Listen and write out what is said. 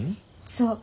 そう。